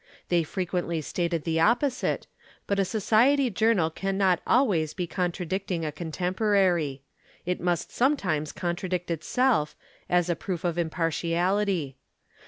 They frequently stated the opposite, but a Society journal cannot always be contradicting a contemporary. It must sometimes contradict itself, as a proof of impartiality.